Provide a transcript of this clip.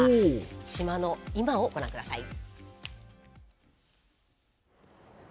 島の今をご覧ください。